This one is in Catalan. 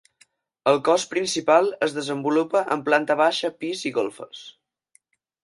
El cos principal es desenvolupa en planta baixa, pis i golfes.